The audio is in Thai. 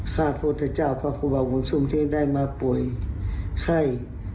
ข้าพุทธเจ้าพระครูบาบุญชุมที่ได้มาป่วยไข้